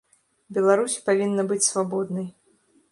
Беларусь павінна быць свабоднай.